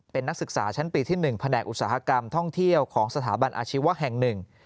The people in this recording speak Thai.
เป็นนักศึกษาชั้นปีที่๑แผนกอุตสาหกรรมท่องเที่ยวของสถาบันอาชีวะแห่งหนึ่ง